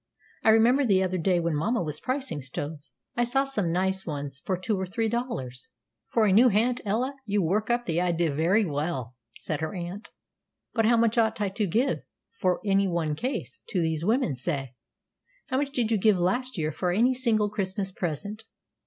I remember, the other day, when mamma was pricing stoves, I saw some such nice ones for two or three dollars." "For a new hand, Ella, you work up the idea very well," said her aunt. "But how much ought I to give, for any one case, to these women, say?" "How much did you give last year for any single Christmas present?"